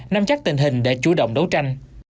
nắm chắc tình hình để chủ động đấu tranh